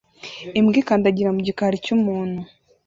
Imbwa ikandagira mu gikari cy'umuntu